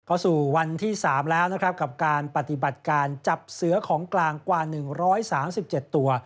เข้าสู่วันที่๓แล้วนะครับกับการปฏิบัติการจับเสือของกลางกว่า๑๓๗ตัว